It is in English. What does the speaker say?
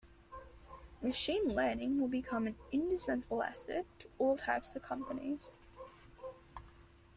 Machine Learning will become an indispensable asset to all types of companies.